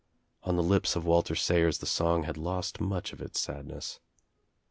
On the lips of Walter Sayers the song had lost much of its sadness.